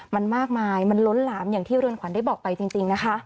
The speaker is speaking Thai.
มันมากมายมันล้นหลามอย่างที่เรือนขวัญได้บอกไปจริงนะคะ